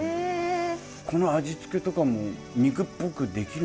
この味付けとかも肉っぽくできるものなんですね。